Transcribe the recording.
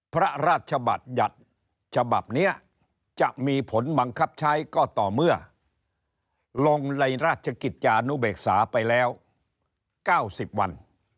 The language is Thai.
พระราชบัญญัติฉบับนี้จะมีผลบังคับใช้ก็ต่อเมื่อลงในราชกิจจานุเบกษาไปแล้ว๙๐วัน